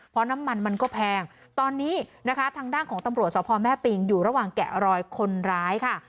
เพราะน้ำมันมันก็แพงตอนนี้นะคะทางด้านของตำรวจสพแม่ปิงอยู่ระหว่างแกะรอยคนร้ายค่ะ